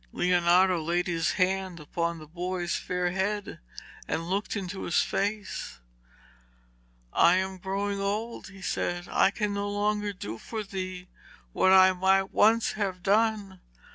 Leonardo laid his hand upon the boy's fair head and looked into his face. 'I am growing old,' he said, 'and I can no longer do for thee what I might once have done.